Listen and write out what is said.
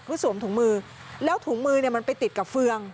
คือสวมถุงมือแล้วถุงมือเนี่ยมันไปติดกับเฟือง